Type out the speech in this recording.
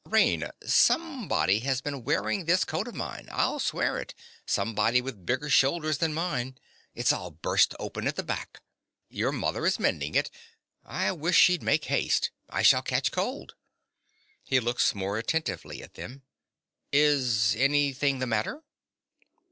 Raina: somebody has been wearing that coat of mine: I'll swear it—somebody with bigger shoulders than mine. It's all burst open at the back. Your mother is mending it. I wish she'd make haste. I shall catch cold. (He looks more attentively at them.) Is anything the matter?